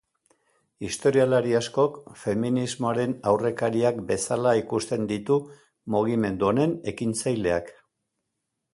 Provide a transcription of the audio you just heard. Historialari askok feminismoaren aurrekariak bezala ikusten ditu mugimendu honen ekintzaileak.